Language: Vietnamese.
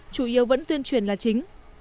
chủ yếu vẫn tuyên truyền là chính